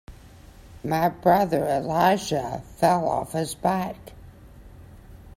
My brother Elijah fell off his bike.